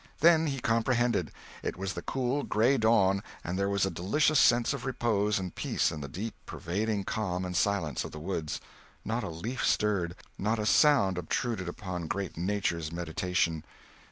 Then he comprehended. It was the cool gray dawn, and there was a delicious sense of repose and peace in the deep pervading calm and silence of the woods. Not a leaf stirred; not a sound obtruded upon great Nature's meditation.